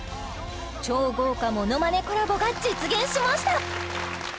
超豪華ものまねコラボが実現しました！